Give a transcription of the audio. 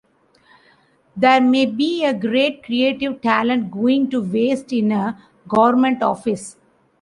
There may be a great creative talent going to waste in a government office.